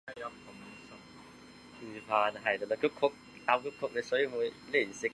天桥是对北京市宣武区永定门内大街中段附近地区的统称。